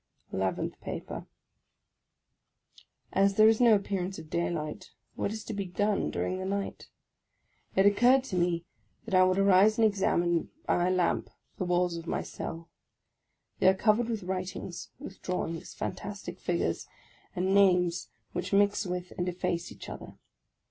ELEVENTH PAPER AS there is no appearance of daylight, what is to be done during the night? It occurred to me that I would arise and examine, by my lamp, the walls of my cell. They are covered with writings, with drawings, fantastic figures, and names which mix with and efface each other.